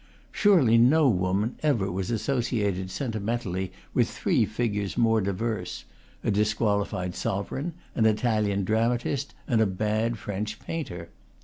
Surely no woman ever was associated senti mentally with three figures more diverse, a disqualified sovereign, an Italian dramatist, and a bad French painter.